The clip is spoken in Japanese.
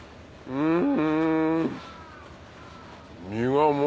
うん！